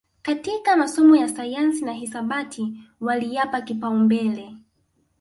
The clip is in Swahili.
katika masomo ya sayansi na hisabati waliyapa kipaumbele